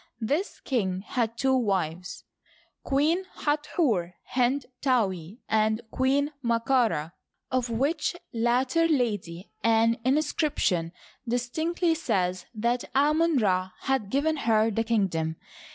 This king had two wives, Queen Hathor hent'taui and Queen Md ka Rd, of which latter lady an inscription distinctly says that Amon Ra had given her the kingdom.